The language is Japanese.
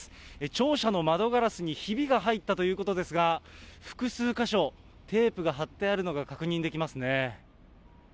庁舎の窓ガラスにひびが入ったということですが、複数箇所、テープが貼ってあるのが確認できますね。